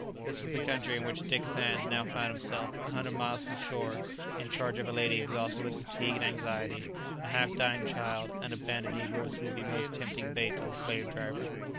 This was the country in which Dick Sands now found himself, a hundred miles from shore, in charge of a lady exhausted with fatigue and anxiety, a half dying child, and a band of negroes who would be a most tempting bait to the slave driver.